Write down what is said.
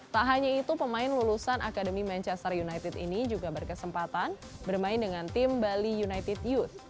tak hanya itu pemain lulusan akademi manchester united ini juga berkesempatan bermain dengan tim bali united youth